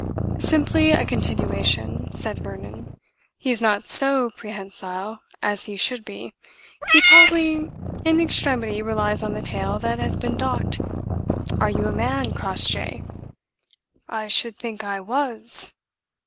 "Simply a continuation," said Vernon. "He is not so prehensile as he should be. He probably in extremity relies on the tail that has been docked. Are you a man, Crossjay?" "I should think I was!"